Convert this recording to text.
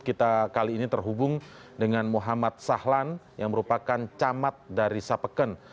kita kali ini terhubung dengan muhammad sahlan yang merupakan camat dari sapeken